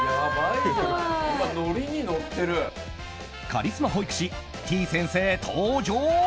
カリスマ保育士てぃ先生、登場！